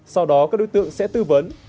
sau đó các đối tượng sẽ tư vấn